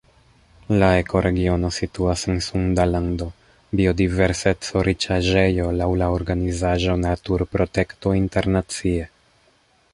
La ekoregiono situas en Sunda Lando, biodiverseco-riĉaĵejo laŭ la organizaĵo Naturprotekto Internacie.